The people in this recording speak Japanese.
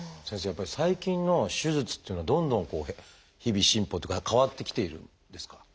やっぱり最近の手術っていうのはどんどんこう日々進歩っていうか変わってきているんですか？